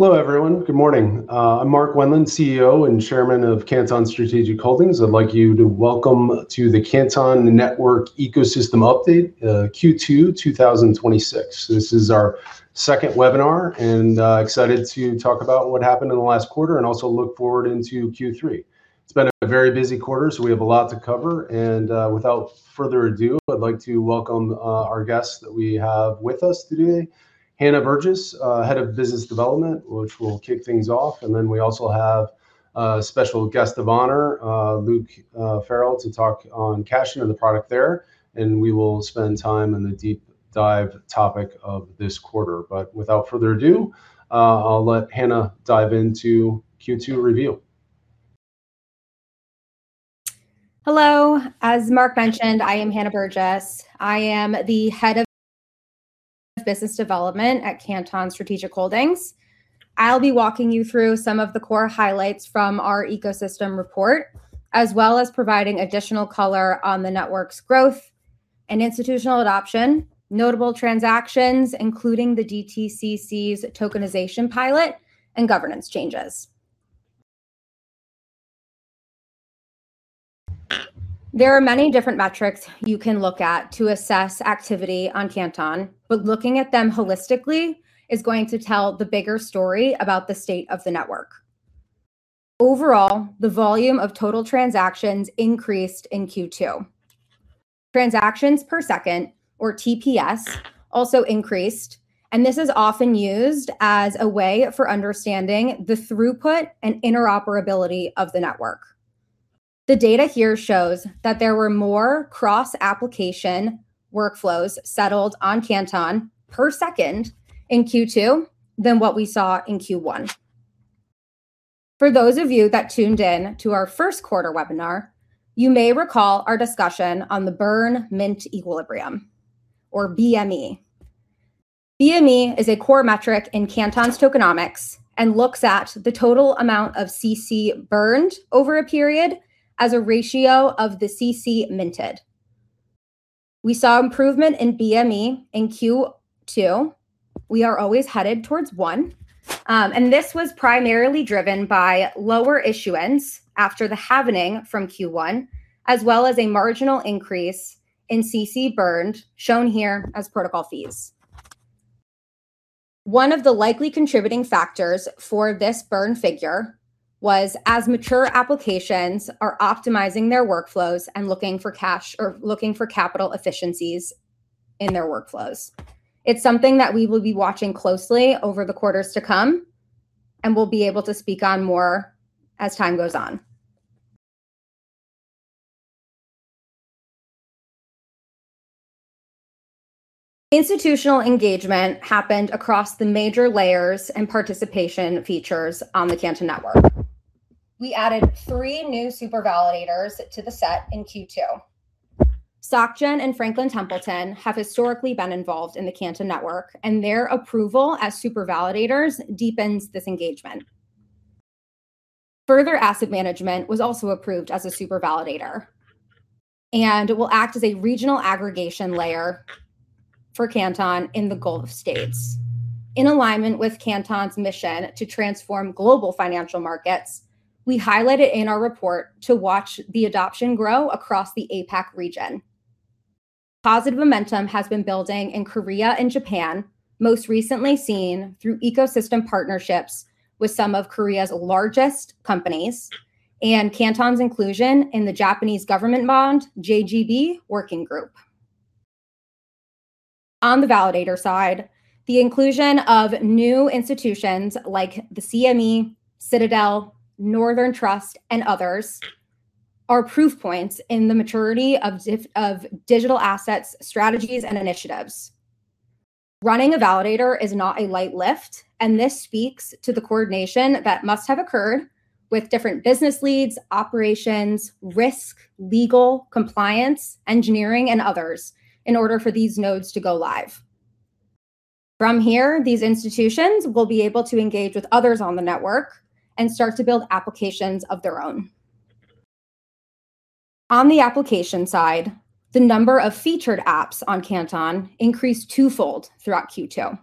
Hello, everyone. Good morning. I'm Mark Wendland, CEO and Chairman of Canton Strategic Holdings. I'd like you to welcome to the Canton Network Ecosystem Update Q2 2026. This is our second webinar, excited to talk about what happened in the last quarter and also look forward into Q3. It's been a very busy quarter, so we have a lot to cover. Without further ado, I'd like to welcome our guests that we have with us today. Hannah Burgess, Head of Business Development, which will kick things off. We also have a special guest of honor, Luke Farrell, to talk on Cashen and the product there, and we will spend time in the deep dive topic of this quarter. Without further ado, I'll let Hannah dive into Q2 review. Hello. As Mark mentioned, I am Hannah Burgess. I am the Head of Business Development at Canton Strategic Holdings. I'll be walking you through some of the core highlights from our ecosystem report, as well as providing additional color on the network's growth and institutional adoption, notable transactions, including the DTCC's tokenization pilot, and governance changes. There are many different metrics you can look at to assess activity on Canton, but looking at them holistically is going to tell the bigger story about the state of the network. Overall, the volume of total transactions increased in Q2. Transactions per second, or TPS, also increased, this is often used as a way for understanding the throughput and interoperability of the network. The data here shows that there were more cross-application workflows settled on Canton per second in Q2 than what we saw in Q1. For those of you that tuned in to our first quarter webinar, you may recall our discussion on the Burn-Mint Equilibrium, or BME. BME is a core metric in Canton's tokenomics and looks at the total amount of CC burned over a period as a ratio of the CC minted. We saw improvement in BME in Q2. We are always headed towards one, this was primarily driven by lower issuance after the halving from Q1, as well as a marginal increase in CC burned, shown here as protocol fees. One of the likely contributing factors for this burn figure was as mature applications are optimizing their workflows and looking for cash or looking for capital efficiencies in their workflows. It's something that we will be watching closely over the quarters to come and will be able to speak on more as time goes on. Institutional engagement happened across the major layers and participation features on the Canton Network. We added three new Super Validators to the set in Q2. Stock Gen and Franklin Templeton have historically been involved in the Canton Network, their approval as Super Validators deepens this engagement. Further Asset Management was also approved as a Super Validator, and will act as a regional aggregation layer for Canton in the Gulf states. In alignment with Canton's mission to transform global financial markets, we highlighted in our report to watch the adoption grow across the APAC region. Positive momentum has been building in Korea and Japan, most recently seen through ecosystem partnerships with some of Korea's largest companies, and Canton's inclusion in the Japanese Government Bond, JGB, Working Group. On the validator side, the inclusion of new institutions like the CME, Citadel, Northern Trust, and others are proof points in the maturity of digital assets, strategies, and initiatives. Running a validator is not a light lift, and this speaks to the coordination that must have occurred with different business leads, operations, risk, legal, compliance, engineering, and others in order for these nodes to go live. From here, these institutions will be able to engage with others on the network and start to build applications of their own. On the application side, the number of Featured Apps on Canton increased twofold throughout Q2.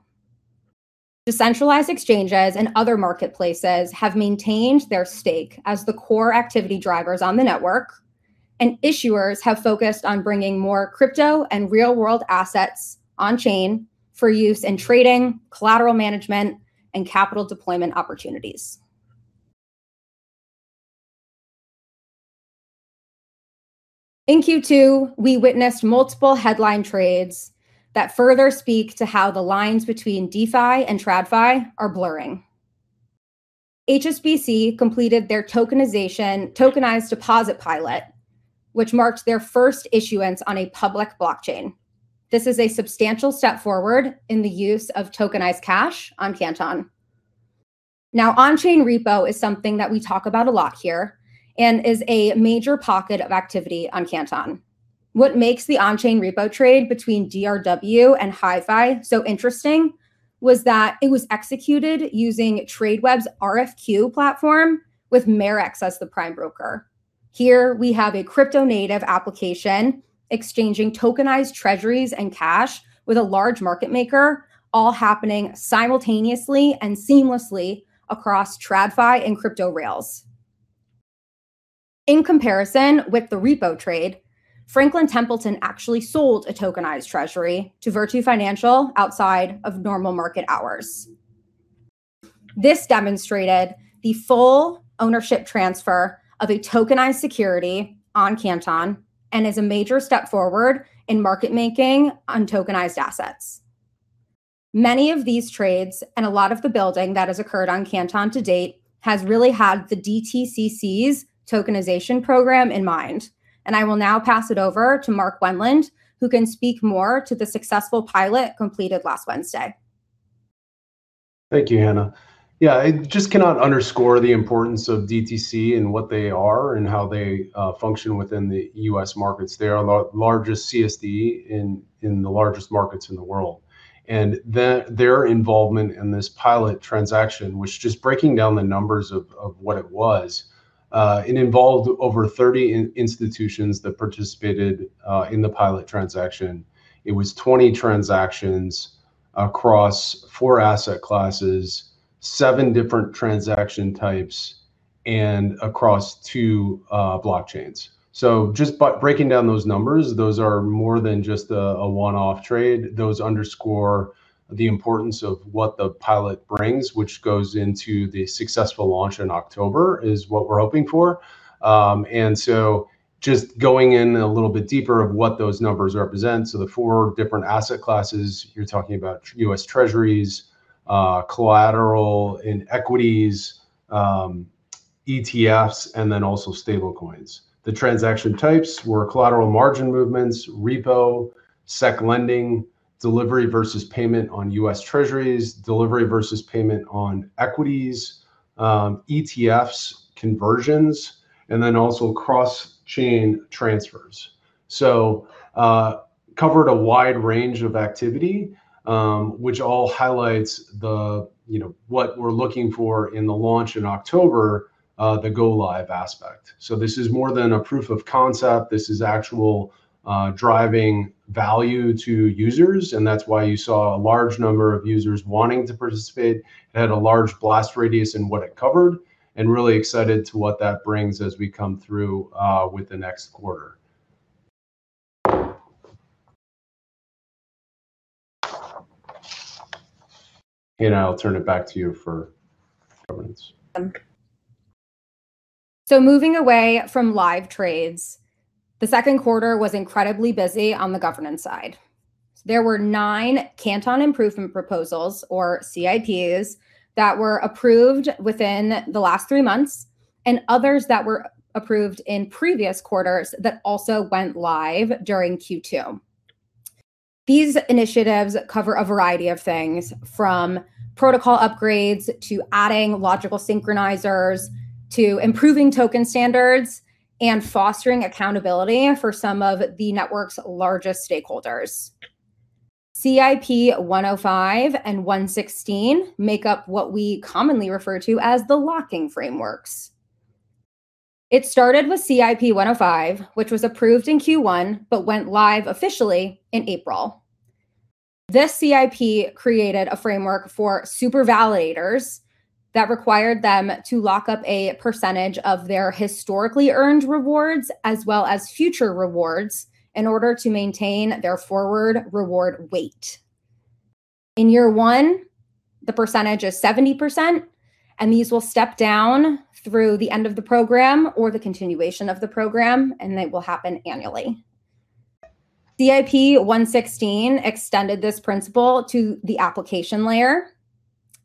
Decentralized exchanges and other marketplaces have maintained their stake as the core activity drivers on the network, and issuers have focused on bringing more crypto and Real-World Assets on chain for use in trading, collateral management, and capital deployment opportunities. In Q2, we witnessed multiple headline trades that further speak to how the lines between DeFi and TradFi are blurring. HSBC completed their tokenized deposit pilot, which marked their first issuance on a public blockchain. This is a substantial step forward in the use of tokenized cash on Canton. On-chain repo is something that we talk about a lot here and is a major pocket of activity on Canton. What makes the on-chain repo trade between DRW and HIFI so interesting was that it was executed using Tradeweb's RFQ platform with Marex as the prime broker. Here we have a crypto native application exchanging tokenized Treasuries and cash with a large market maker, all happening simultaneously and seamlessly across TradFi and crypto rails. In comparison with the repo trade, Franklin Templeton actually sold a tokenized treasury to Virtu Financial outside of normal market hours. This demonstrated the full ownership transfer of a tokenized security on Canton and is a major step forward in market making on tokenized assets. Many of these trades and a lot of the building that has occurred on Canton to date has really had the DTCC's tokenization program in mind. I will now pass it over to Mark Wendland, who can speak more to the successful pilot completed last Wednesday. Thank you, Hannah. Yeah, I just cannot underscore the importance of DTC and what they are and how they function within the U.S. markets. They are the largest CSD in the largest markets in the world. Their involvement in this pilot transaction was just breaking down the numbers of what it was. It involved over 30 institutions that participated in the pilot transaction. It was 20 transactions across four asset classes, seven different transaction types, and across two blockchains. Just by breaking down those numbers, those are more than just a one-off trade. Those underscore the importance of what the pilot brings, which goes into the successful launch in October, is what we're hoping for. Just going in a little bit deeper of what those numbers represent, the four different asset classes, you're talking about U.S. Treasuries, collateral in equities, ETFs, and also stablecoins. The transaction types were collateral margin movements, repo, sec lending, delivery versus payment on U.S. Treasuries, delivery versus payment on equities, ETFs, conversions, and also cross-chain transfers. Covered a wide range of activity, which all highlights what we're looking for in the launch in October, the go live aspect. This is more than a proof of concept. This is actual driving value to users, and that's why you saw a large number of users wanting to participate. It had a large blast radius in what it covered and really excited to what that brings as we come through with the next quarter. Hannah, I'll turn it back to you for governance. Moving away from live trades, the second quarter was incredibly busy on the governance side. There were nine Canton Improvement Proposals or CIPs that were approved within the last three months, and others that were approved in previous quarters that also went live during Q2. These initiatives cover a variety of things, from protocol upgrades, to adding logical synchronizers, to improving token standards and fostering accountability for some of the network's largest stakeholders. CIP-0105 and CIP-0116 make up what we commonly refer to as the locking frameworks. It started with CIP-0105, which was approved in Q1, but went live officially in April. This CIP created a framework for Super Validators that required them to lock up a percentage of their historically earned rewards, as well as future rewards in order to maintain their forward reward weight. In year one, the percentage is 70%, these will step down through the end of the program or the continuation of the program, and it will happen annually. CIP-0116 extended this principle to the application layer,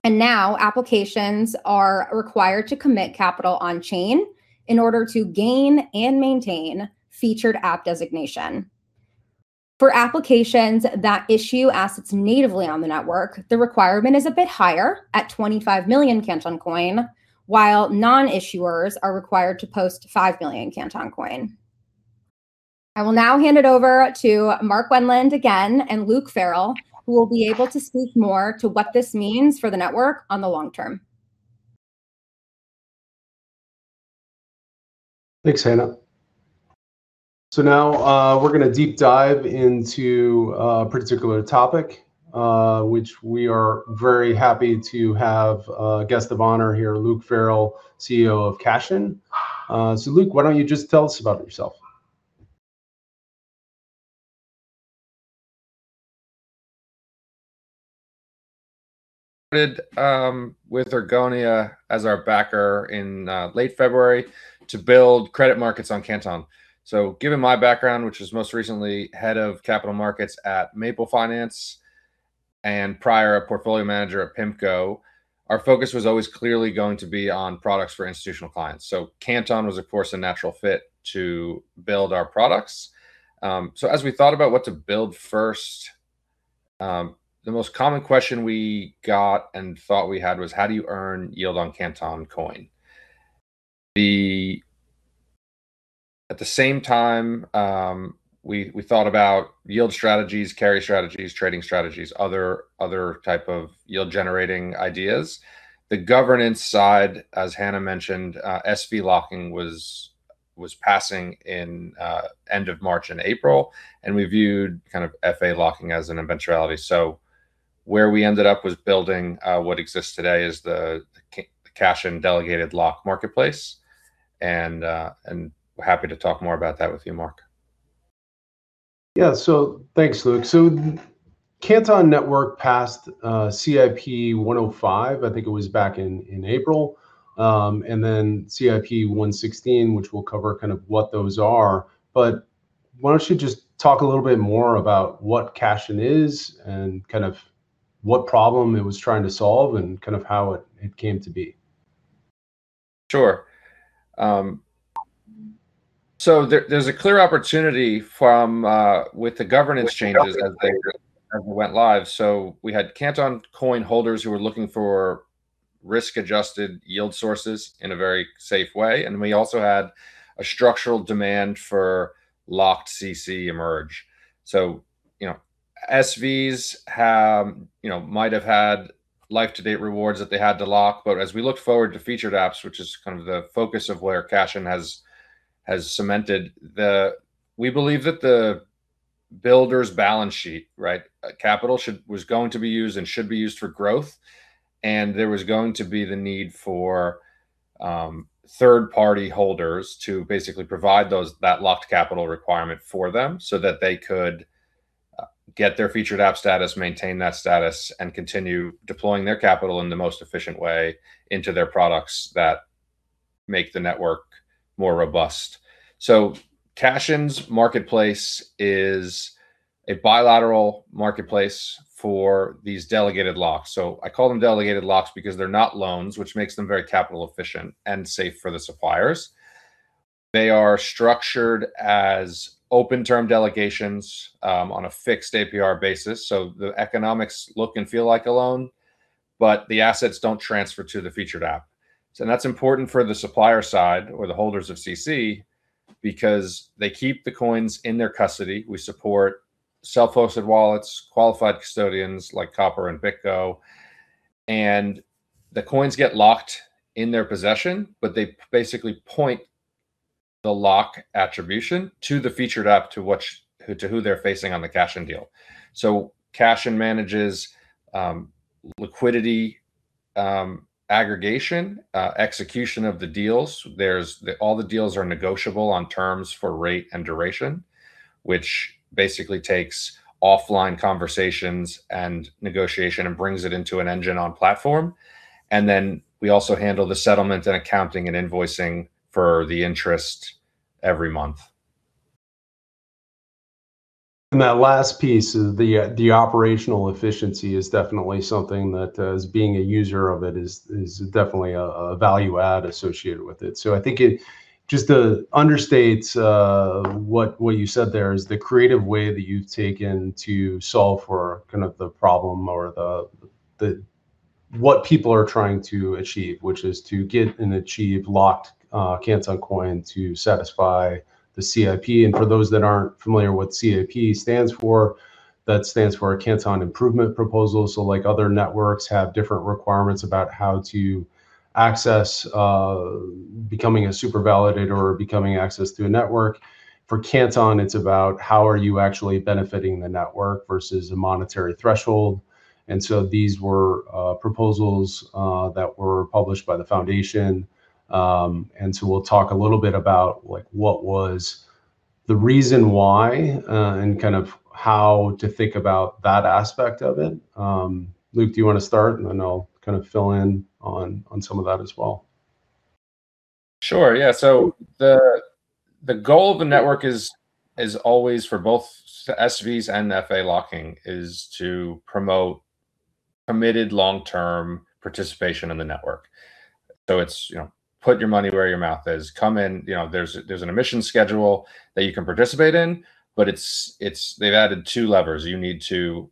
applications are required to commit capital on chain in order to gain and maintain Featured App designation. For applications that issue assets natively on the network, the requirement is a bit higher at 25 million Canton Coin, while non-issuers are required to post 5 million Canton Coin. I will now hand it over to Mark Wendland again and Luke Farrell, who will be able to speak more to what this means for the network on the long term. Thanks, Hannah. Now, we're going to deep dive into a particular topic, which we are very happy to have a guest of honor here, Luke Farrell, CEO of Cashen. Luke, why don't you just tell us about yourself? With Ergonia as our backer in late February to build credit markets on Canton. Given my background, which was most recently Head of Capital Markets at Maple Finance and prior a Portfolio Manager at PIMCO, our focus was always clearly going to be on products for institutional clients. Canton was, of course, a natural fit to build our products. As we thought about what to build first, the most common question we got and thought we had was: How do you earn yield on Canton Coin? At the same time, we thought about yield strategies, carry strategies, trading strategies, other type of yield-generating ideas. The governance side, as Hannah mentioned, SV locking was passing in end of March and April, and we viewed kind of FA locking as an eventuality. Where we ended up was building what exists today as the Cashen delegated lock marketplace, and happy to talk more about that with you, Mark. Yeah. Thanks, Luke. Canton Network passed CIP-0105, I think it was back in April, and CIP-0116, which we'll cover kind of what those are. Why don't you just talk a little bit more about what Cashen is and kind of what problem it was trying to solve and kind of how it came to be? Sure. There's a clear opportunity with the governance changes. We had Canton Coin holders who were looking for risk-adjusted yield sources in a very safe way, and we also had a structural demand for locked CC emerge. SVs might have had life-to-date rewards that they had to lock. As we looked forward to Featured App, which is kind of the focus of where Cashen has cemented, we believe that the builder's balance sheet, capital was going to be used and should be used for growth, and there was going to be the need for third-party holders to basically provide that locked capital requirement for them so that they could get their Featured App status, maintain that status, and continue deploying their capital in the most efficient way into their products that make the network more robust. Cashen's marketplace is a bilateral marketplace for these delegated locks. I call them delegated locks because they're not loans, which makes them very capital efficient and safe for the suppliers. They are structured as open-term delegations on a fixed APR basis. The economics look and feel like a loan, but the assets don't transfer to the Featured App. That's important for the supplier side or the holders of CC because they keep the coins in their custody. We support self-hosted wallets, qualified custodians like Copper and BitGo, and the coins get locked in their possession, but they basically point the lock attribution to the Featured App to who they're facing on the Cashen deal. Cashen manages liquidity aggregation, execution of the deals. All the deals are negotiable on terms for rate and duration, which basically takes offline conversations and negotiation and brings it into an engine on platform. We also handle the settlement and accounting and invoicing for the interest every month. That last piece, the operational efficiency is definitely something that as being a user of it is definitely a value add associated with it. I think it just understates what you said there is the creative way that you've taken to solve for kind of the problem or what people are trying to achieve, which is to get and achieve locked Canton Coin to satisfy the CIP. For those that aren't familiar what CIP stands for, that stands for a Canton Improvement Proposal. Like other networks have different requirements about how to access becoming a Super Validator or becoming access to a network. For Canton, it's about how are you actually benefiting the network versus a monetary threshold. These were proposals that were published by the foundation. We'll talk a little bit about what was the reason why and kind of how to think about that aspect of it. Luke, do you want to start? Then I'll kind of fill in on some of that as well. Sure. Yeah. The goal of the network is always for both the SVs and FA locking is to promote committed long-term participation in the network. It's put your money where your mouth is. Come in, there's an emissions schedule that you can participate in, but they've added two levers. You need to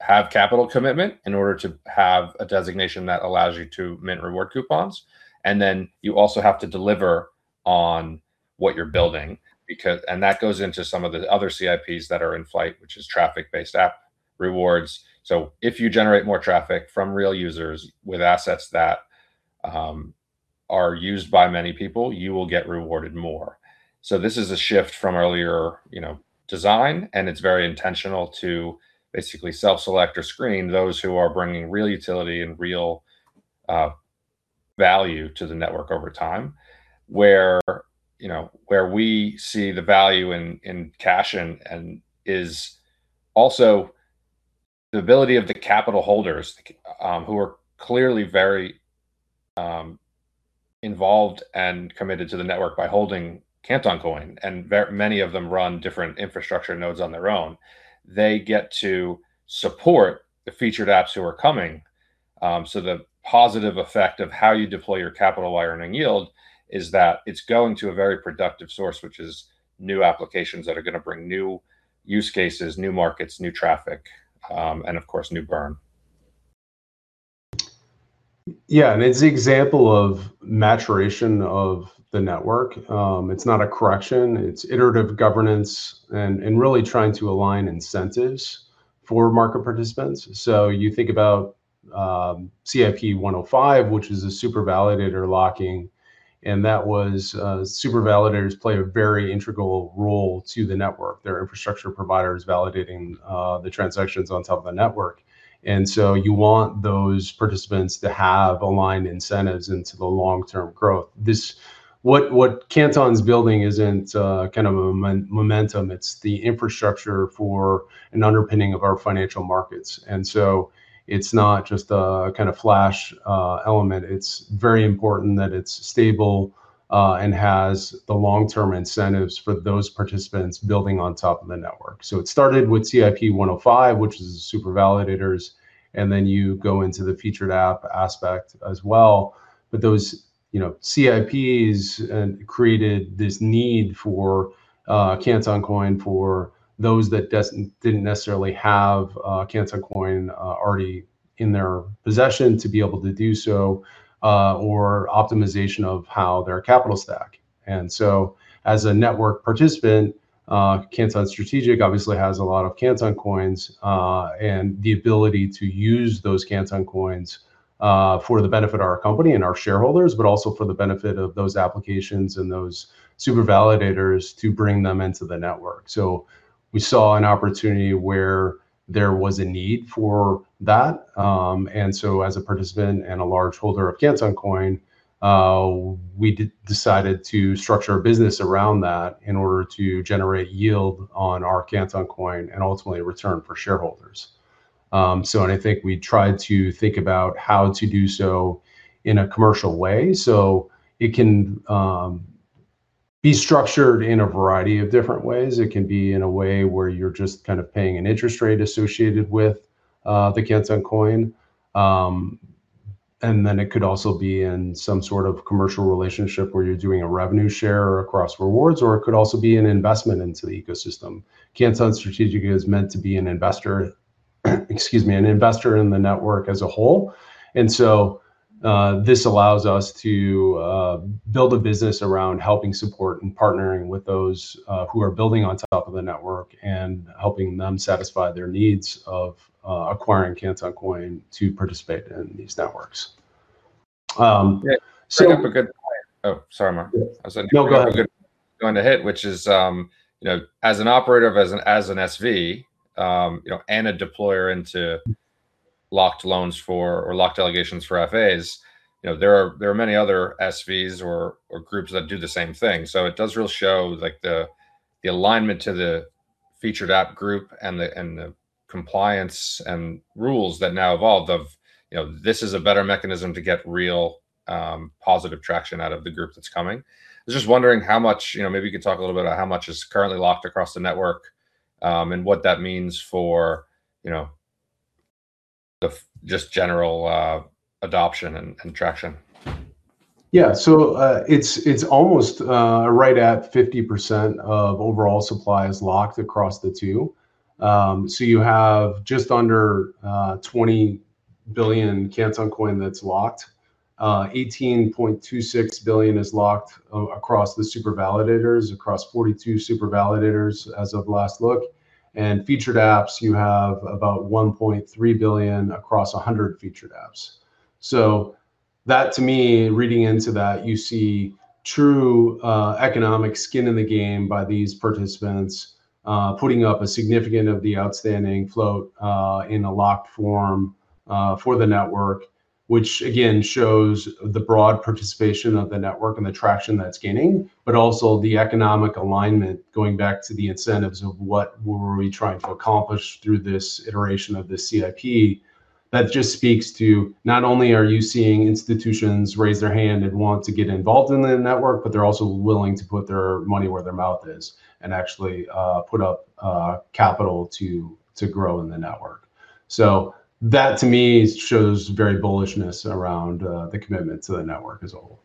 have capital commitment in order to have a designation that allows you to mint reward coupons, then you also have to deliver on what you're building. That goes into some of the other CIPs that are in flight, which is traffic-based app rewards. If you generate more traffic from real users with assets that are used by many people, you will get rewarded more. This is a shift from earlier design, and it's very intentional to basically self-select or screen those who are bringing real utility and real value to the network over time. Where we see the value in Cashen and is also the ability of the capital holders, who are clearly very involved and committed to the network by holding Canton Coin, and many of them run different infrastructure nodes on their own. They get to support the Featured App who are coming. The positive effect of how you deploy your capital while earning yield is that it's going to a very productive source, which is new applications that are going to bring new use cases, new markets, new traffic, and of course, new burn. It's the example of maturation of the network. It's not a correction, it's iterative governance and really trying to align incentives for market participants. You think about CIP-0105, which is a Super Validator locking, and Super Validators play a very integral role to the network. They're infrastructure providers validating the transactions on top of the network. You want those participants to have aligned incentives into the long-term growth. What Canton's building isn't kind of a momentum, it's the infrastructure for an underpinning of our financial markets. It's not just a kind of flash element. It's very important that it's stable, and has the long-term incentives for those participants building on top of the network. It started with CIP-0105, which is the Super Validators, and then you go into the Featured App aspect as well. Those CIPs created this need for Canton Coin, for those that didn't necessarily have Canton Coin already in their possession to be able to do so, or optimization of how their capital stack. As a network participant, Canton Strategic obviously has a lot of Canton Coins, and the ability to use those Canton Coins for the benefit of our company and our shareholders, but also for the benefit of those applications and those Super Validators to bring them into the network. We saw an opportunity where there was a need for that. As a participant and a large holder of Canton Coin, we decided to structure our business around that in order to generate yield on our Canton Coin, and ultimately return for shareholders. I think we tried to think about how to do so in a commercial way. It can be structured in a variety of different ways. It can be in a way where you're just kind of paying an interest rate associated with the Canton Coin. It could also be in some sort of commercial relationship where you're doing a revenue share or cross rewards, or it could also be an investment into the ecosystem. Canton Strategic is meant to be an investor in the network as a whole. This allows us to build a business around helping support and partnering with those who are building on top of the network, and helping them satisfy their needs of acquiring Canton Coin to participate in these networks. Yeah. Bring up a good point. Oh, sorry, Mark. No, go ahead. I said bring up a good point I hit, which is as an operator, as an SV, and a deployer into locked loans for, or locked delegations for FAs. There are many other SVs or groups that do the same thing. It does really show the alignment to the Featured App group and the compliance and rules that now evolved of this is a better mechanism to get real positive traction out of the group that's coming. I was just wondering, maybe you could talk a little bit about how much is currently locked across the network, and what that means for just general adoption and traction. It's almost right at 50% of overall supply is locked across the two. You have just under 20 billion Canton Coin that's locked. 18.26 billion is locked across the Super Validators, across 42 Super Validators as of last look. Featured App, you have about 1.3 billion across 100 Featured App. That to me, reading into that, you see true economic skin in the game by these participants, putting up a significant of the outstanding float in a locked form for the network. Which again, shows the broad participation of the network and the traction that it's gaining, but also the economic alignment, going back to the incentives of what were we trying to accomplish through this iteration of this CIP. That just speaks to not only are you seeing institutions raise their hand and want to get involved in the network, but they're also willing to put their money where their mouth is, and actually put up capital to grow in the network. That to me shows very bullishness around the commitment to the network as a whole.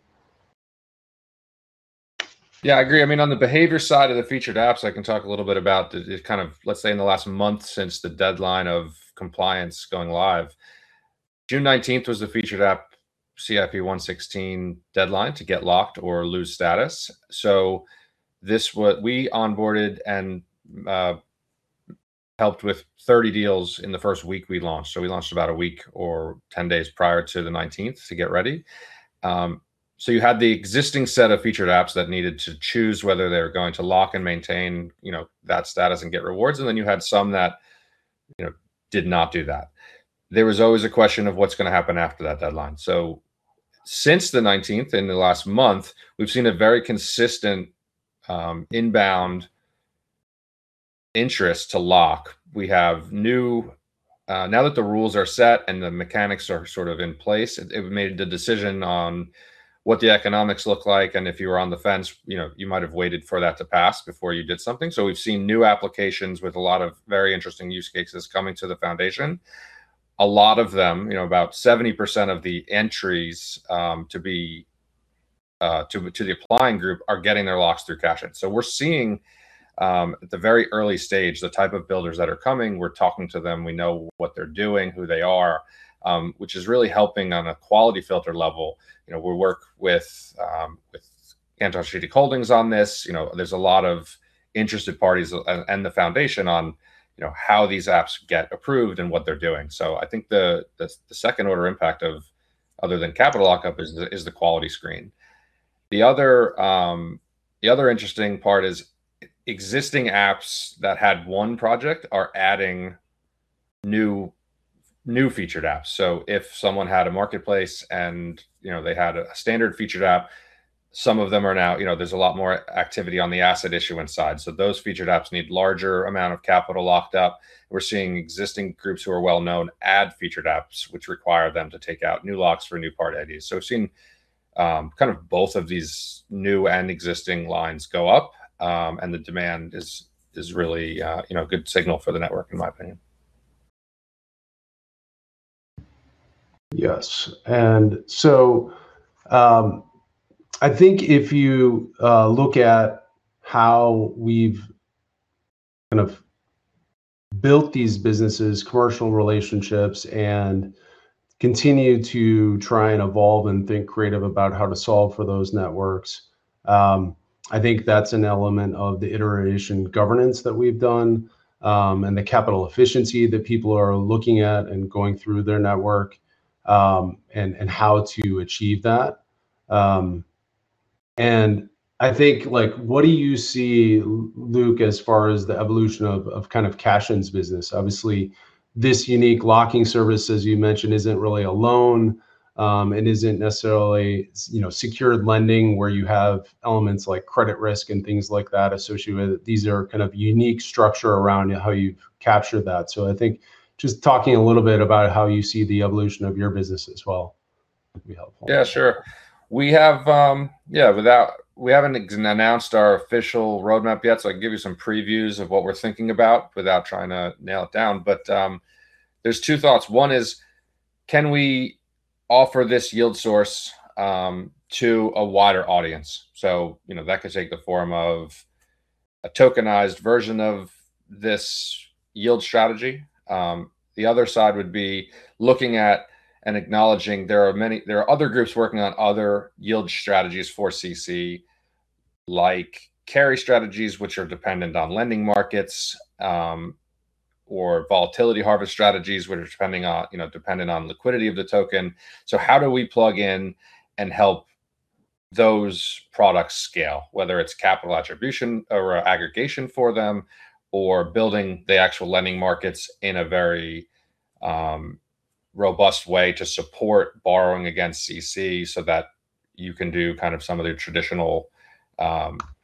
I agree. On the behavior side of the Featured App, I can talk a little bit about, let's say in the last month since the deadline of compliance going live. June 19th was the Featured App CIP-0116 deadline to get locked or lose status. We onboarded and helped with 30 deals in the first week we launched. We launched about a week or 10 days prior to the 19th to get ready. You had the existing set of Featured App that needed to choose whether they're going to lock and maintain that status and get rewards, and then you had some that did not do that. There was always a question of what's going to happen after that deadline. Since the 19th, in the last month, we've seen a very consistent inbound interest to lock. Now that the rules are set and the mechanics are sort of in place, it made the decision on what the economics look like, and if you were on the fence, you might have waited for that to pass before you did something. We've seen new applications with a lot of very interesting use cases coming to the foundation. A lot of them, about 70% of the entries to be to the applying group are getting their locks through Cashen. We're seeing at the very early stage the type of builders that are coming. We're talking to them, we know what they're doing, who they are, which is really helping on a quality filter level. We work with Canton Strategic Holdings on this. There's a lot of interested parties and the foundation on how these apps get approved and what they're doing. I think the second order impact of other than capital lockup is the quality screen. The other interesting part is existing apps that had one project are adding new Featured App. If someone had a marketplace and they had a standard Featured App, some of them are now, there's a lot more activity on the asset issuance side. Those Featured App need larger amount of capital locked up. We're seeing existing groups who are well-known add Featured App, which require them to take out new locks for new party IDs. We're seeing kind of both of these new and existing lines go up. The demand is really a good signal for the network, in my opinion. Yes. I think if you look at how we've kind of built these businesses, commercial relationships, and continue to try and evolve and think creative about how to solve for those networks, I think that's an element of the iteration governance that we've done, and the capital efficiency that people are looking at and going through their network, and how to achieve that. I think what do you see, Luke, as far as the evolution of kind of Cashen's business? Obviously, this unique locking service, as you mentioned, isn't really a loan, and isn't necessarily secured lending where you have elements like credit risk and things like that associated with it. These are kind of unique structure around how you capture that. I think just talking a little bit about how you see the evolution of your business as well would be helpful. Yeah, sure. We haven't announced our official roadmap yet. I can give you some previews of what we're thinking about without trying to nail it down. There's two thoughts. One is, can we offer this yield source to a wider audience? That could take the form of a tokenized version of this yield strategy. The other side would be looking at and acknowledging there are other groups working on other yield strategies for CC, like carry strategies, which are dependent on lending markets, or volatility harvest strategies, which are dependent on liquidity of the token. How do we plug in and help those products scale, whether it's capital attribution or aggregation for them, or building the actual lending markets in a very robust way to support borrowing against CC so that you can do kind of some of the traditional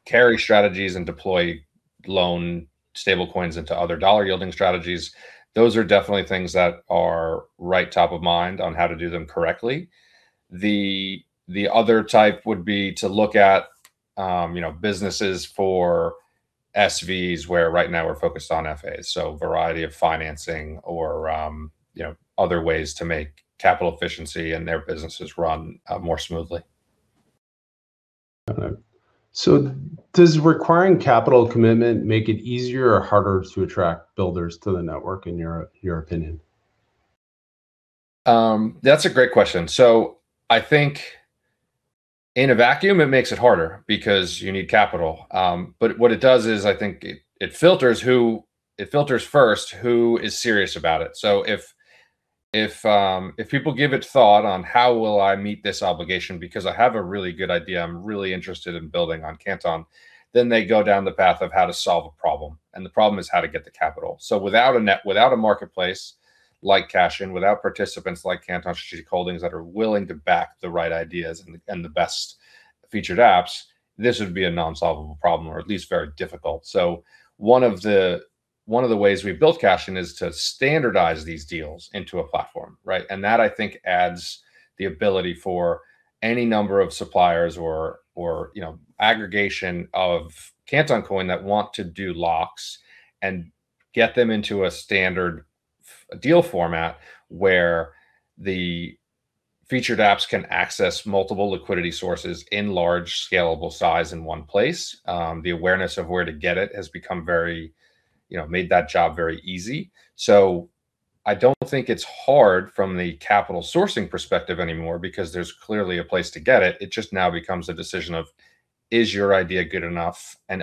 carry strategies and deploy loan stablecoins into other dollar yielding strategies. Those are definitely things that are right top of mind on how to do them correctly. The other type would be to look at businesses for SVs, where right now we're focused on FAs. Variety of financing or other ways to make capital efficiency and their businesses run more smoothly. Got it. Does requiring capital commitment make it easier or harder to attract builders to the network, in your opinion? That's a great question. I think in a vacuum, it makes it harder because you need capital. What it does is I think it filters first who is serious about it. If people give it thought on how will I meet this obligation because I have a really good idea, I'm really interested in building on Canton, then they go down the path of how to solve a problem, and the problem is how to get the capital. Without a marketplace like Cashen, without participants like Canton Strategic Holdings that are willing to back the right ideas and the best Featured Apps, this would be a non-solvable problem, or at least very difficult. One of the ways we've built Cashen is to standardize these deals into a platform, right? That, I think, adds the ability for any number of suppliers or aggregation of Canton Coin that want to do locks and get them into a standard deal format where the Featured Apps can access multiple liquidity sources in large scalable size in one place. The awareness of where to get it has made that job very easy. I don't think it's hard from the capital sourcing perspective anymore because there's clearly a place to get it. It just now becomes a decision of is your idea good enough and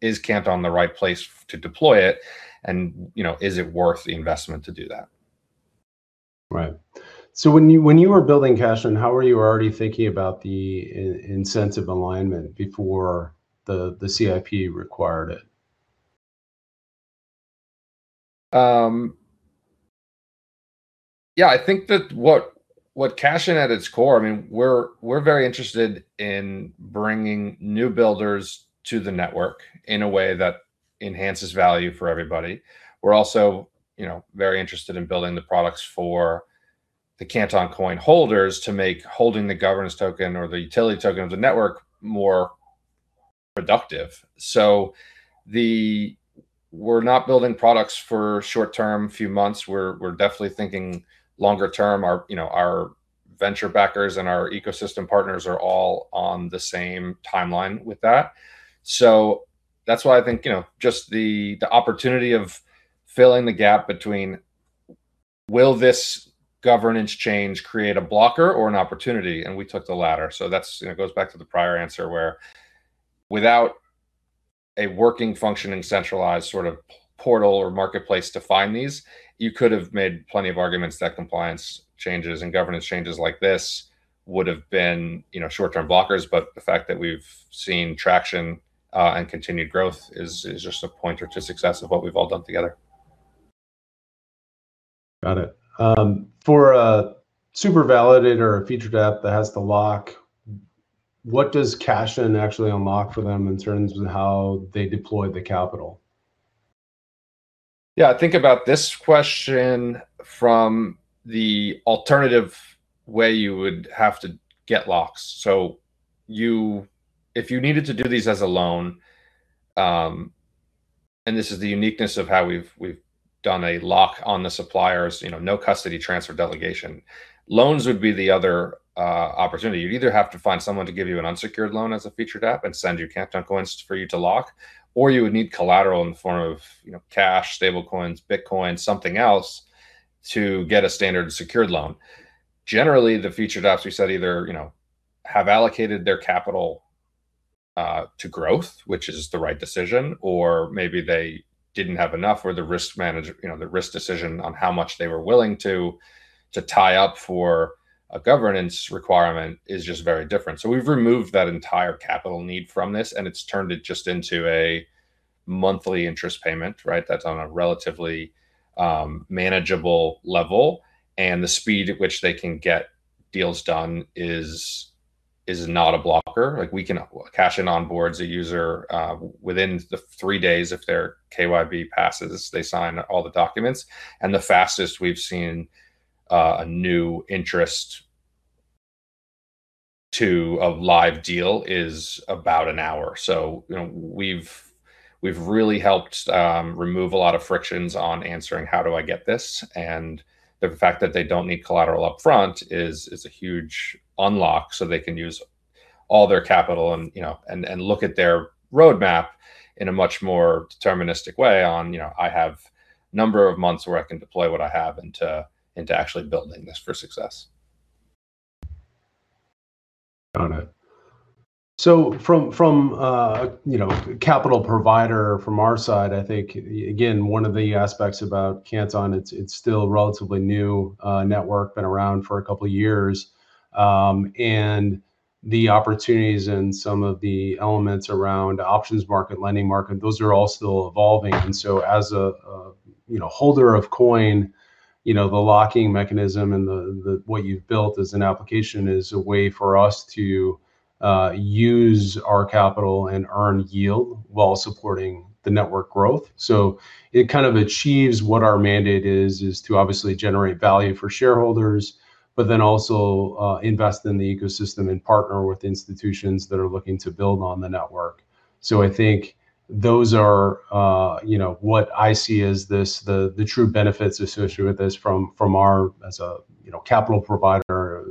is Canton the right place to deploy it, and is it worth the investment to do that? Right. When you were building Cashen, how were you already thinking about the incentive alignment before the CIP required it? Yeah. I think that what Cashen at its core, we're very interested in bringing new builders to the network in a way that enhances value for everybody. We're also very interested in building the products for the Canton Coin holders to make holding the governance token or the utility token of the network more productive. We're not building products for short term, few months. We're definitely thinking longer term. Our venture backers and our ecosystem partners are all on the same timeline with that. That's why I think just the opportunity of filling the gap between will this governance change create a blocker or an opportunity, and we took the latter. That goes back to the prior answer where without a working, functioning, centralized sort of portal or marketplace to find these, you could have made plenty of arguments that compliance changes and governance changes like this would have been short-term blockers. The fact that we've seen traction and continued growth is just a pointer to success of what we've all done together. Got it. For a Super Validator or a Featured App that has the lock, what does Cashen actually unlock for them in terms of how they deploy the capital? I think about this question from the alternative way you would have to get locks. If you needed to do these as a loan, and this is the uniqueness of how we've done a lock on the suppliers, no custody transfer delegation. Loans would be the other opportunity. You'd either have to find someone to give you an unsecured loan as a Featured App and send you Canton Coins for you to lock, or you would need collateral in the form of cash, stable coins, Bitcoin, something else to get a standard secured loan. Generally, the Featured Apps we said either have allocated their capital to growth, which is the right decision, or maybe they didn't have enough, or the risk decision on how much they were willing to tie up for a governance requirement is just very different. We've removed that entire capital need from this, and it's turned it just into a monthly interest payment, right? That's on a relatively manageable level, and the speed at which they can get deals done is not a blocker. Cashen onboards a user within the three days if their KYB passes, they sign all the documents. The fastest we've seen a new interest to a live deal is about an hour. We've really helped remove a lot of frictions on answering, how do I get this? The fact that they don't need collateral upfront is a huge unlock so they can use all their capital and look at their roadmap in a much more deterministic way on, I have number of months where I can deploy what I have into actually building this for success. Got it. From a capital provider from our side, I think, again, one of the aspects about Canton, it's still relatively new network, been around for a couple of years. The opportunities and some of the elements around options market, lending market, those are all still evolving. As a holder of Canton Coin, the locking mechanism and what you've built as an application is a way for us to use our capital and earn yield while supporting the network growth. It kind of achieves what our mandate is to obviously generate value for shareholders, but also invest in the ecosystem and partner with institutions that are looking to build on the network. I think those are what I see as the true benefits associated with this from our, as a capital provider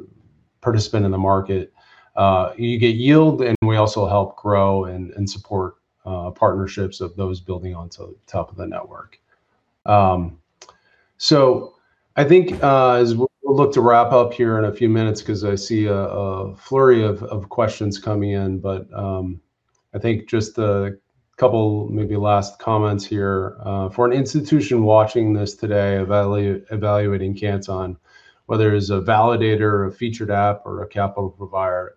participant in the market. We also help grow and support partnerships of those building onto the top of the network. I think as we'll look to wrap up here in a few minutes because I see a flurry of questions coming in. I think just a couple maybe last comments here. For an institution watching this today evaluating Canton, whether it's a validator or a Featured App or a capital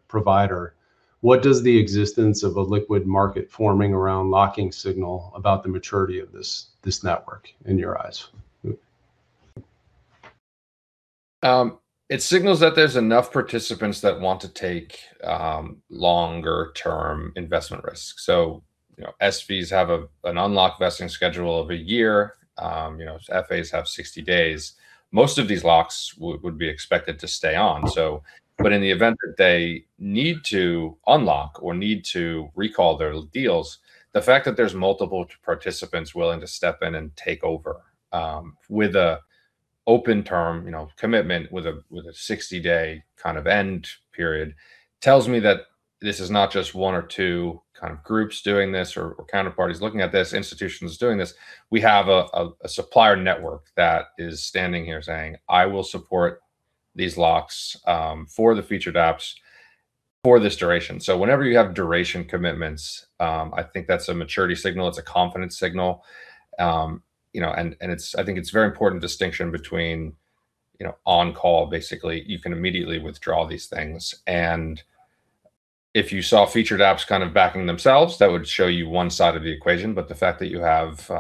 provider, what does the existence of a liquid market forming around locking signal about the maturity of this network in your eyes? It signals that there's enough participants that want to take longer term investment risks. SVs have an unlock vesting schedule of a year. FAs have 60 days. Most of these locks would be expected to stay on. In the event that they need to unlock or need to recall their deals, the fact that there's multiple participants willing to step in and take over with a open term commitment with a 60-day kind of end period tells me that this is not just one or two kind of groups doing this or counterparties looking at this, institutions doing this. We have a supplier network that is standing here saying, "I will support these locks for the Featured Apps for this duration." Whenever you have duration commitments, I think that's a maturity signal. It's a confidence signal. I think it's a very important distinction between on-call, basically, you can immediately withdraw these things. If you saw Featured Apps kind of backing themselves, that would show you one side of the equation. The fact that you have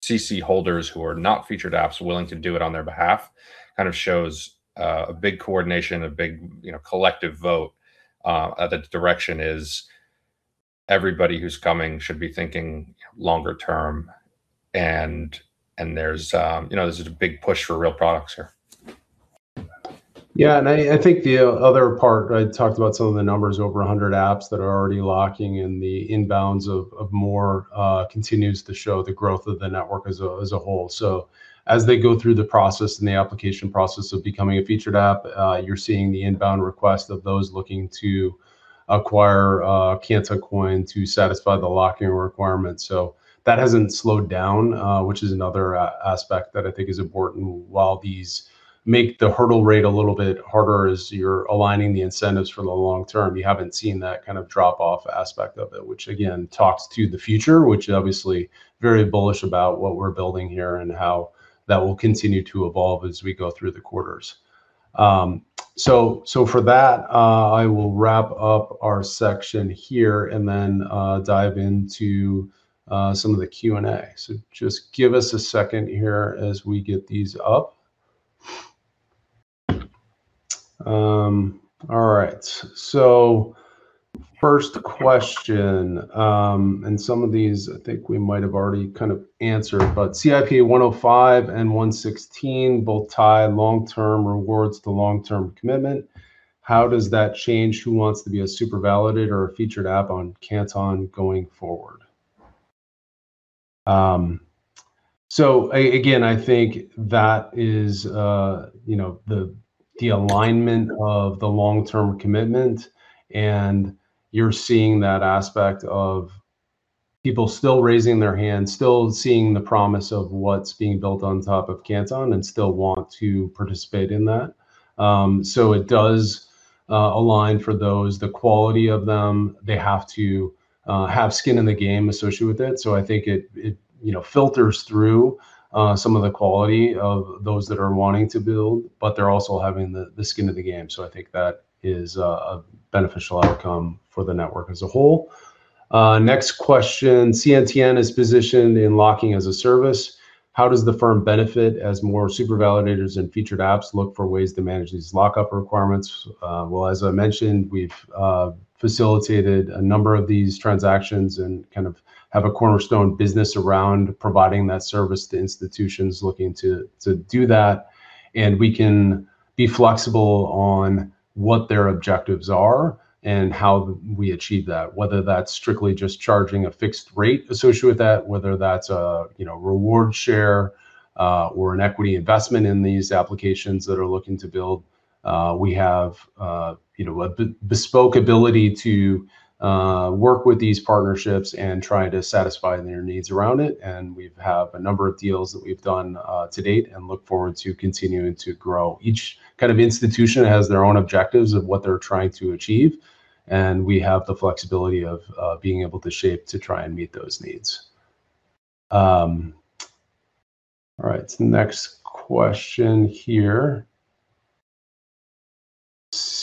CC holders who are not Featured Apps willing to do it on their behalf kind of shows a big coordination, a big collective vote. The direction is everybody who's coming should be thinking longer term, there's a big push for real products here. I think the other part, I talked about some of the numbers, over 100 apps that are already locking in the inbounds of more continues to show the growth of the network as a whole. As they go through the process and the application process of becoming a Featured App, you're seeing the inbound request of those looking to acquire a Canton Coin to satisfy the locking requirement. That hasn't slowed down, which is another aspect that I think is important. While these make the hurdle rate a little bit harder as you're aligning the incentives for the long term, you haven't seen that kind of drop-off aspect of it, which again talks to the future, which obviously very bullish about what we're building here and how that will continue to evolve as we go through the quarters. For that, I will wrap up our section here and then dive into some of the Q&A. Just give us a second here as we get these up. All right. First question, and some of these I think we might have already kind of answered, but CIP-0105 and CIP-0116 both tie long-term rewards to long-term commitment. How does that change who wants to be a Super Validator or a Featured Apps on Canton going forward? Again, I think that is the alignment of the long-term commitment, and you're seeing that aspect of people still raising their hand, still seeing the promise of what's being built on top of Canton and still want to participate in that. It does align for those. The quality of them, they have to have skin in the game associated with it. I think it filters through some of the quality of those that are wanting to build, they're also having the skin in the game. I think that is a beneficial outcome for the network as a whole. Next question. CNTN is positioned in locking as a service. How does the firm benefit as more Super Validators and Featured Apps look for ways to manage these lock-up requirements? As I mentioned, we've facilitated a number of these transactions and kind of have a cornerstone business around providing that service to institutions looking to do that, and we can be flexible on what their objectives are and how we achieve that, whether that's strictly just charging a fixed rate associated with that, whether that's a reward share or an equity investment in these applications that are looking to build. We have a bespoke ability to work with these partnerships and try to satisfy their needs around it, and we have a number of deals that we've done to date and look forward to continuing to grow. Each kind of institution has their own objectives of what they're trying to achieve, and we have the flexibility of being able to shape to try and meet those needs. All right, next question here.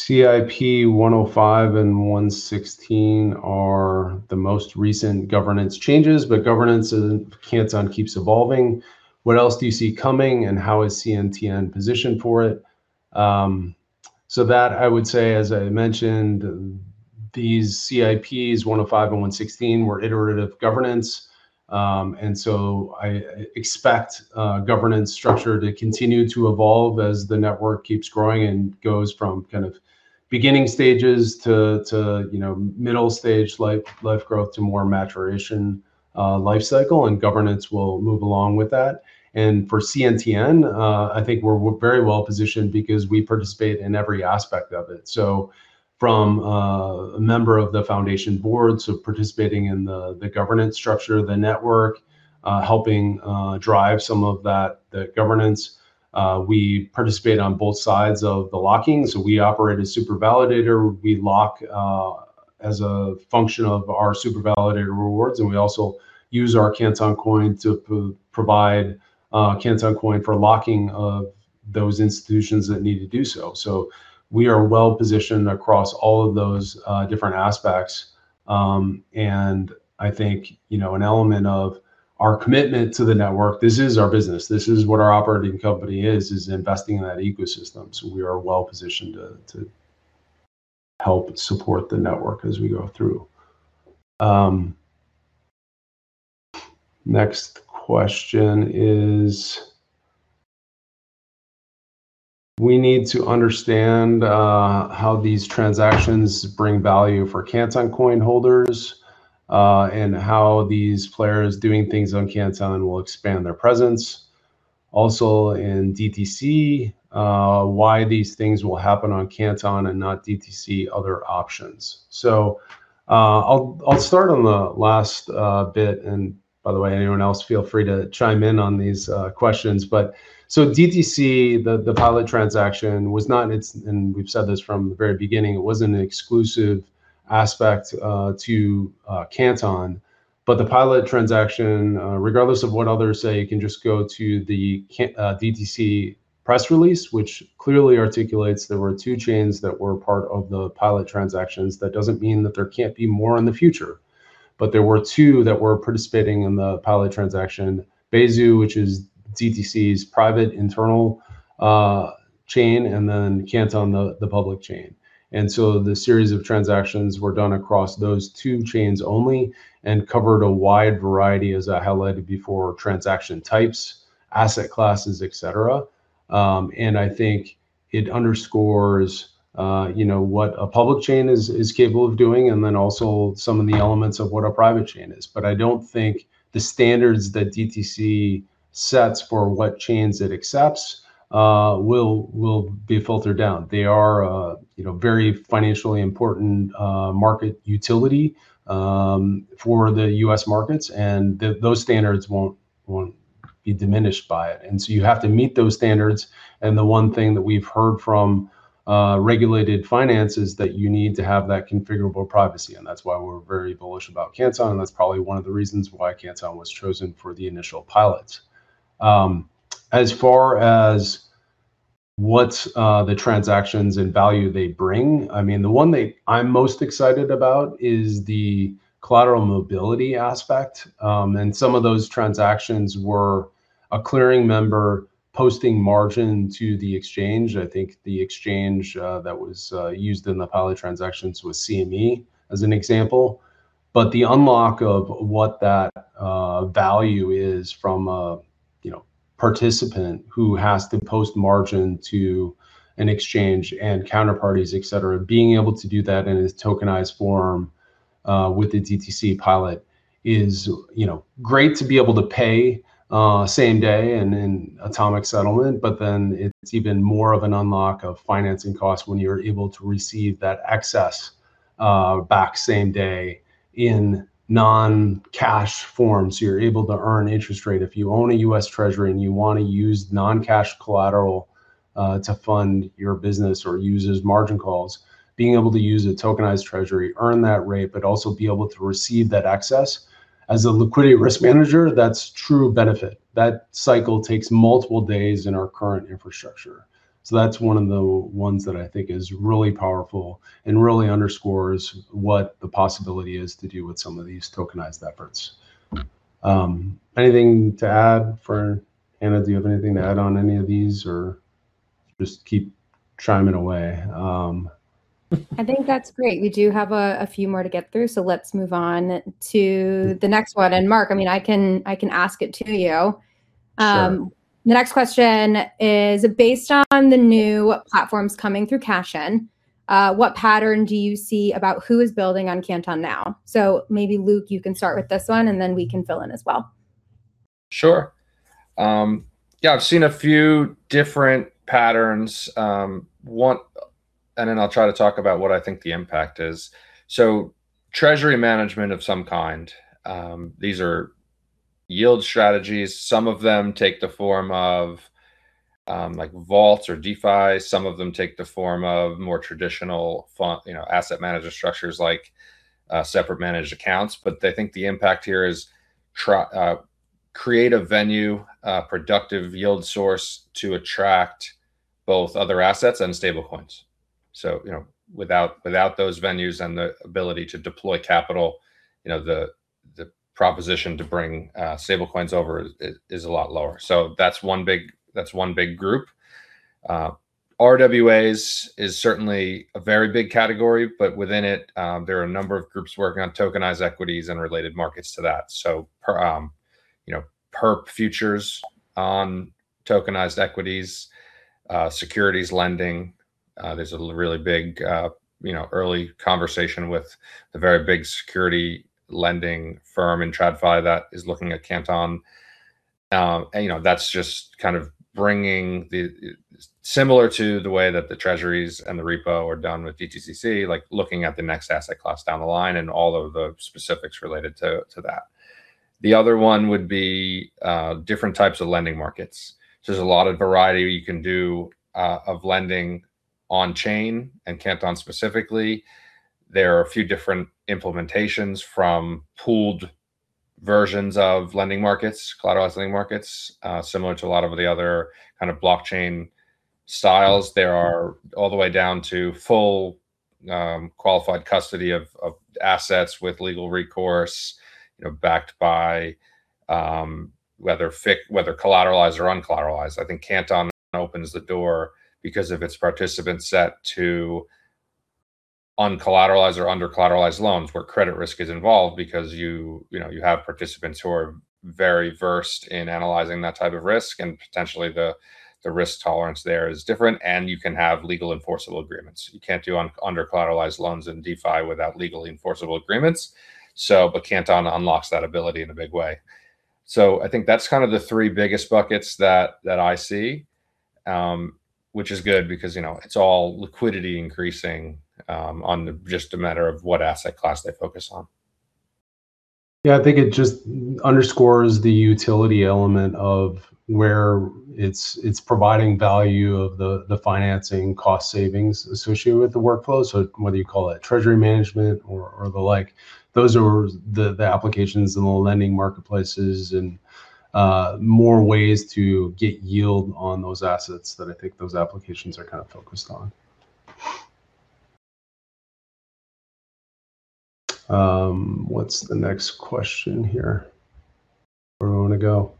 CIP-0105 and CIP-0116 are the most recent governance changes, governance in Canton keeps evolving. What else do you see coming, and how is CNTN positioned for it? That I would say, as I mentioned, these CIPs 0105 and 0116 were iterative governance. I expect governance structure to continue to evolve as the network keeps growing and goes from kind of beginning stages to middle stage life growth to more maturation life cycle, and governance will move along with that. For CNTN, I think we're very well positioned because we participate in every aspect of it. From a member of the foundation board, participating in the governance structure of the network, helping drive some of the governance. We participate on both sides of the locking. We operate a Super Validator. We lock as a function of our Super Validator rewards, and we also use our Canton Coin to provide Canton Coin for locking of those institutions that need to do so. We are well positioned across all of those different aspects. I think an element of our commitment to the network, this is our business. This is what our operating company is investing in that ecosystem. We are well positioned to help support the network as we go through. Next question is, we need to understand how these transactions bring value for Canton Coin holders, and how these players doing things on Canton will expand their presence. Also in DTC, why these things will happen on Canton and not DTC other options. I'll start on the last bit, and by the way, anyone else feel free to chime in on these questions. DTC, the pilot transaction was not, and we've said this from the very beginning, it wasn't an exclusive aspect to Canton. The pilot transaction, regardless of what others say, you can just go to the DTC press release, which clearly articulates there were two chains that were part of the pilot transactions. That doesn't mean that there can't be more in the future. There were two that were participating in the pilot transaction. Besu, which is DTC's private internal chain, and Canton, the public chain. The series of transactions were done across those two chains only and covered a wide variety, as I highlighted before, transaction types, asset classes, et cetera. I think it underscores what a public chain is capable of doing, and also some of the elements of what a private chain is. I don't think the standards that DTC sets for what chains it accepts will be filtered down. They are a very financially important market utility for the U.S. markets, and those standards won't be diminished by it. You have to meet those standards, and the one thing that we've heard from regulated finance is that you need to have that configurable privacy, and that's why we're very bullish about Canton, and that's probably one of the reasons why Canton was chosen for the initial pilot. As far as what's the transactions and value they bring, the one that I'm most excited about is the collateral mobility aspect. Some of those transactions were a clearing member posting margin to the exchange. I think the exchange that was used in the pilot transactions was CME, as an example. The unlock of what that value is from a participant who has to post margin to an exchange and counterparties, et cetera, being able to do that in its tokenized form, with the DTC pilot is great to be able to pay same day and in atomic settlement, but it's even more of an unlock of financing cost when you're able to receive that excess back same day in non-cash form. You're able to earn interest rate. If you own a U.S. Treasury and you want to use non-cash collateral to fund your business or use as margin calls, being able to use a tokenized Treasury, earn that rate, but also be able to receive that excess. As a liquidity risk manager, that's true benefit. That cycle takes multiple days in our current infrastructure. That's one of the ones that I think is really powerful and really underscores what the possibility is to do with some of these tokenized efforts. Anything to add, for? Hannah, do you have anything to add on any of these, or just keep chiming away? I think that's great. We do have a few more to get through, so let's move on to the next one. Mark, I can ask it to you. Sure. The next question is, based on the new platforms coming through Cashen, what pattern do you see about who is building on Canton now? Maybe Luke, you can start with this one, and then we can fill in as well. Sure. Yeah, I've seen a few different patterns. I'll try to talk about what I think the impact is. Treasury management of some kind. These are yield strategies. Some of them take the form of vaults or DeFi. Some of them take the form of more traditional asset manager structures like separate managed accounts. I think the impact here is create a venue, a productive yield source to attract both other assets and stable coins. Without those venues and the ability to deploy capital, the proposition to bring stable coins over is a lot lower. That's one big group. RWAs is certainly a very big category, but within it, there are a number of groups working on tokenized equities and related markets to that. Perp futures on tokenized equities, securities lending. There's a really big early conversation with the very big security lending firm in TradFi that is looking at Canton. That's just kind of bringing similar to the way that the Treasuries and the repo are done with DTCC, like looking at the next asset class down the line and all of the specifics related to that. The other one would be different types of lending markets. There's a lot of variety you can do of lending on-chain and Canton specifically. There are a few different implementations from pooled versions of lending markets, collateralized lending markets, similar to a lot of the other kind of blockchain styles there are, all the way down to full qualified custody of assets with legal recourse, backed by whether collateralized or uncollateralized. I think Canton opens the door because of its participant set to uncollateralized or under-collateralized loans where credit risk is involved because you have participants who are very versed in analyzing that type of risk and potentially the risk tolerance there is different, and you can have legal enforceable agreements. You can't do under-collateralized loans in DeFi without legally enforceable agreements. Canton unlocks that ability in a big way. I think that's kind of the three biggest buckets that I see, which is good because it's all liquidity increasing on just a matter of what asset class they focus on. I think it just underscores the utility element of where it's providing value of the financing cost savings associated with the workflow. Whether you call it Treasury management or the like, those are the applications and the lending marketplaces and more ways to get yield on those assets that I think those applications are kind of focused on. What's the next question here? Where do we want to go?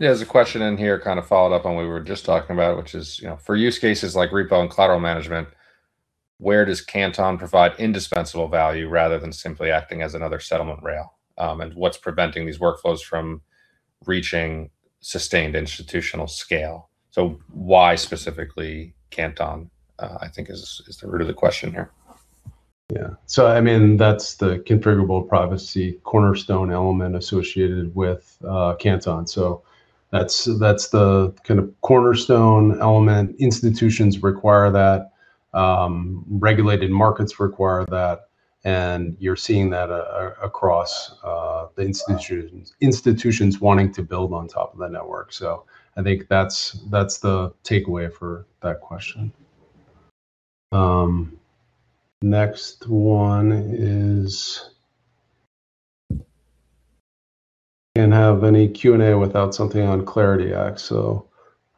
There's a question in here kind of followed up on what we were just talking about, which is: for use cases like repo and collateral management, where does Canton provide indispensable value rather than simply acting as another settlement rail? What's preventing these workflows from reaching sustained institutional scale? Why specifically Canton, I think is the root of the question here. Yeah. That's the configurable privacy cornerstone element associated with Canton. That's the kind of cornerstone element. Institutions require that, regulated markets require that, and you're seeing that across the institutions wanting to build on top of the network. I think that's the takeaway for that question. Next one is, can't have any Q&A without something on Clarity Act.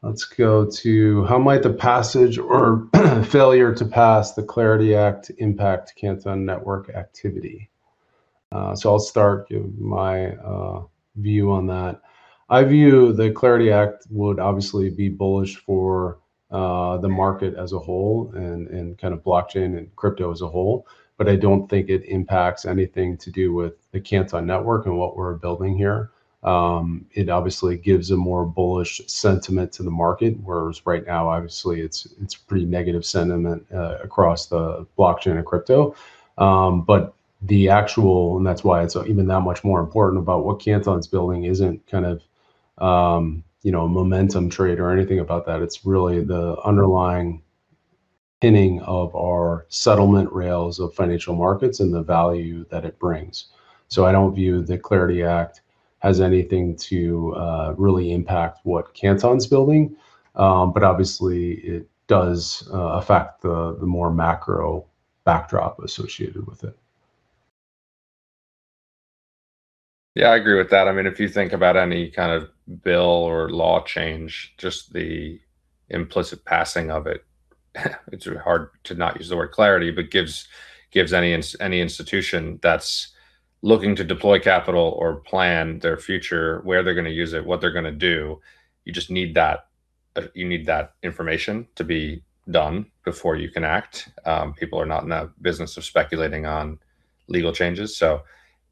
Let's go to how might the passage or failure to pass the Clarity Act impact Canton Network activity? I'll start giving my view on that. I view the Clarity Act would obviously be bullish for the market as a whole and kind of blockchain and crypto as a whole, but I don't think it impacts anything to do with the Canton Network and what we're building here. It obviously gives a more bullish sentiment to the market, whereas right now, obviously it's pretty negative sentiment across the blockchain and crypto. That's why it's even that much more important about what Canton's building isn't kind of a momentum trade or anything about that. It's really the underlying pinning of our settlement rails of financial markets and the value that it brings. I don't view the Clarity Act has anything to really impact what Canton's building. Obviously it does affect the more macro backdrop associated with it. Yeah, I agree with that. If you think about any kind of bill or law change, just the implicit passing of it's hard to not use the word clarity, but gives any institution that's looking to deploy capital or plan their future, where they're going to use it, what they're going to do, you need that information to be done before you can act. People are not in the business of speculating on legal changes,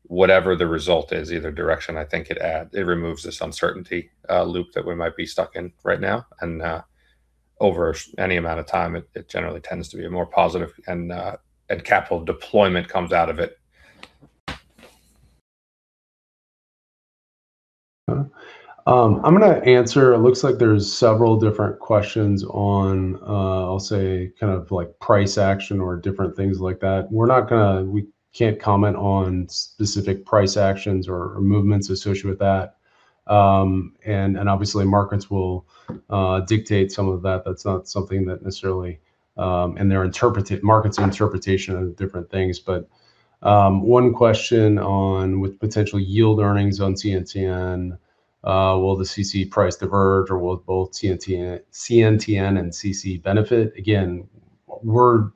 whatever the result is, either direction, I think it removes this uncertainty loop that we might be stuck in right now. Over any amount of time, it generally tends to be a more positive and capital deployment comes out of it. I'm going to answer, it looks like there's several different questions on, I'll say kind of price action or different things like that. We can't comment on specific price actions or movements associated with that. Obviously markets will dictate some of that. Market's interpretation of different things. One question on with potential yield earnings on CNTN, will the CC price diverge or will both CNTN and CC benefit? Again, we're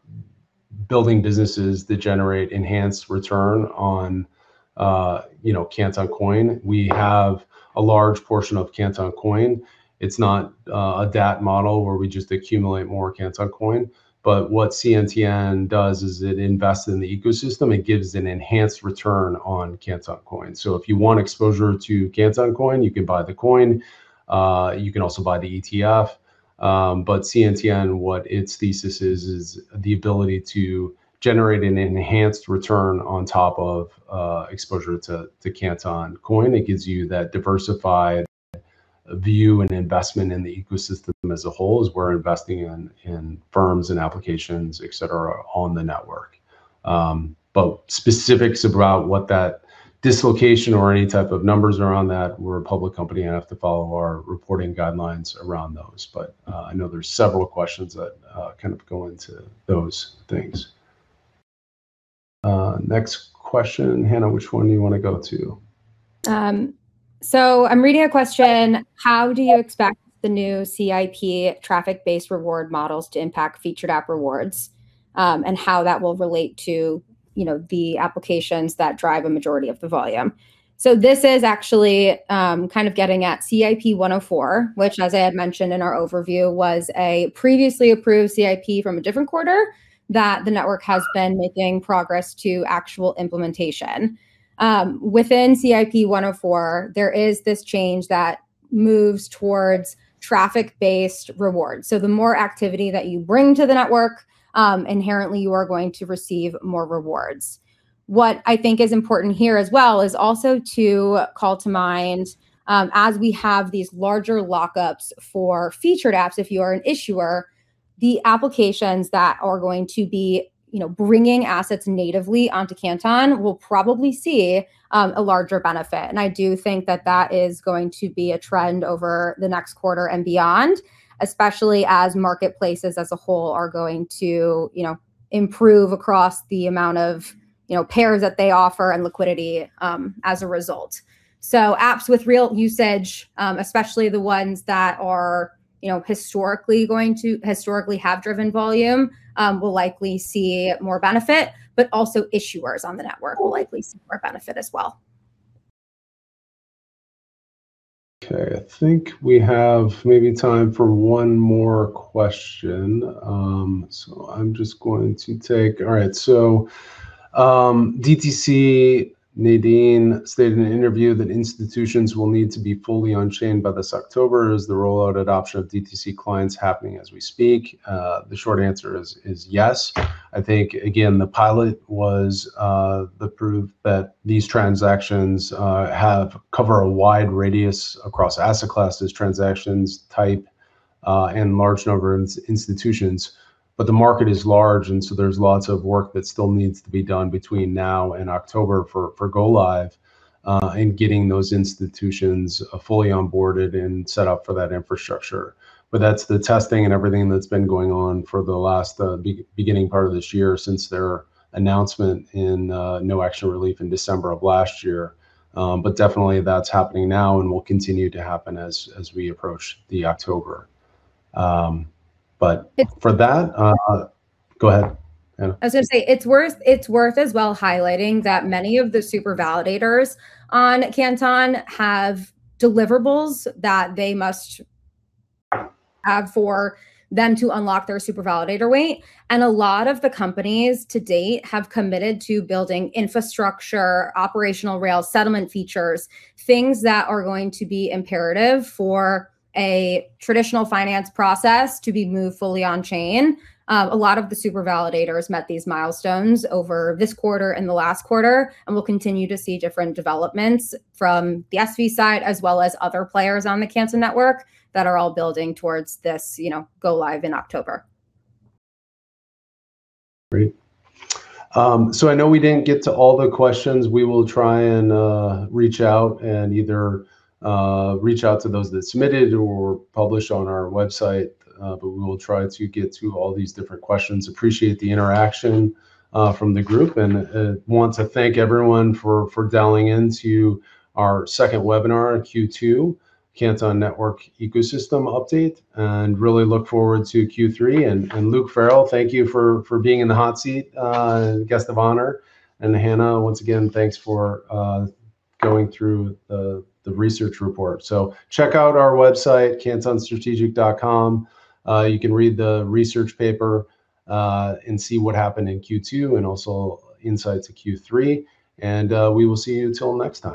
building businesses that generate enhanced return on Canton Coin. We have a large portion of Canton Coin. It's not a DAT model where we just accumulate more Canton Coin. What CNTN does is it invests in the ecosystem. It gives an enhanced return on Canton Coin. If you want exposure to Canton Coin, you can buy the coin. You can also buy the ETF. CNTN, what its thesis is the ability to generate an enhanced return on top of exposure to Canton Coin. It gives you that diversified view and investment in the ecosystem as a whole, as we are investing in firms and applications, et cetera, on the network. Specifics about what that dislocation or any type of numbers around that, we're a public company, and have to follow our reporting guidelines around those. I know there's several questions that kind of go into those things. Next question. Hannah, which one do you want to go to? I'm reading a question, how do you expect the new CIP traffic-based reward models to impact Featured Apps rewards? How that will relate to the applications that drive a majority of the volume. This is actually kind of getting at CIP-0104, which as I had mentioned in our overview, was a previously approved CIP from a different quarter that the Network has been making progress to actual implementation. Within CIP-0104, there is this change that moves towards traffic-based rewards. The more activity that you bring to the Network, inherently you are going to receive more rewards. What I think is important here as well is also to call to mind, as we have these larger lockups for Featured Apps, if you are an issuer, the applications that are going to be bringing assets natively onto Canton will probably see a larger benefit. I do think that that is going to be a trend over the next quarter and beyond, especially as marketplaces as a whole are going to improve across the amount of pairs that they offer and liquidity as a result. Apps with real usage, especially the ones that historically have driven volume, will likely see more benefit, but also issuers on the Network will likely see more benefit as well. Okay. I think we have maybe time for one more question. I'm just going to take. All right. DTC Nadine stated in an interview that institutions will need to be fully on chain by this October. Is the rollout adoption of DTC clients happening as we speak? The short answer is yes. I think, again, the pilot was the proof that these transactions cover a wide radius across asset classes, transactions type, and large number of institutions. The market is large, and so there's lots of work that still needs to be done between now and October for go live, and getting those institutions fully onboarded and set up for that infrastructure. That's the testing and everything that's been going on for the last beginning part of this year, since their announcement in no actual relief in December of last year. Definitely that's happening now and will continue to happen as we approach October. For that. Go ahead, Hannah. I was going to say, it's worth as well highlighting that many of the Super Validators on Canton have deliverables that they must have for them to unlock their Super Validator weight. A lot of the companies to date have committed to building infrastructure, operational rail settlement features, things that are going to be imperative for a traditional finance process to be moved fully on chain. A lot of the Super Validators met these milestones over this quarter and the last quarter. We'll continue to see different developments from the SV side as well as other players on the Canton Network that are all building towards this go live in October. Great. I know we didn't get to all the questions. We will try and reach out, and either reach out to those that submitted or publish on our website. We will try to get to all these different questions. Appreciate the interaction from the group. Want to thank everyone for dialing in to our second webinar, Q2 Canton Network Ecosystem Update. Really look forward to Q3. Luke Farrell, thank you for being in the hot seat, guest of honor. Hannah, once again, thanks for going through the research report. Check out our website, cantonstrategic.com. You can read the research paper, and see what happened in Q2 and also insights of Q3. We will see you till next time.